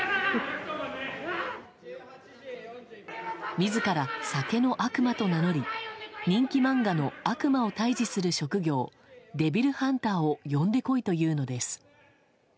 自ら、酒の悪魔と名乗り人気漫画の悪魔を退治する職業デビルハンターを呼んで来いというのです。